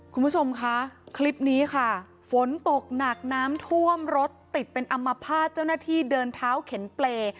คุณผู้ชมคะคลิปนี้ค่ะฝนตกหนักน้ำท่วมรถติดเป็นอัมพาตเจ้าหน้าที่เดินเท้าเข็นเปรย์